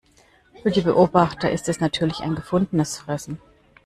Für die Beobachter ist es natürlich ein gefundenes Fressen.